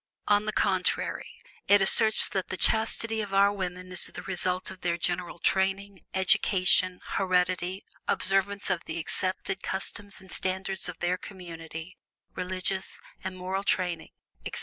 On the contrary, it asserts that the chastity of our women is the result of their general training, education, heredity, observance of the accepted customs and standards of their community, religious and moral training, etc.